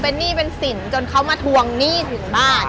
เป็นหนี้เป็นสินจนเขามาทวงหนี้ถึงบ้าน